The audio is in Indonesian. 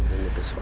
eh saya penculik